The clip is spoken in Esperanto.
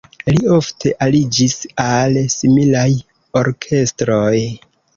Li ofte aliĝis al similaj orkestroj.